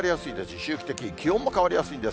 周期的、気温も変わりやすいんです。